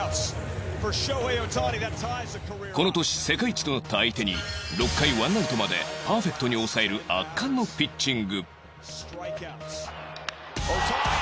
この年世界一となった相手に６回１アウトまでパーフェクトに抑える圧巻のピッチング